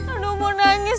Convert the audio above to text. aduh mau nangis